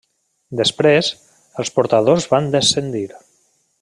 Després, els portadors van descendir.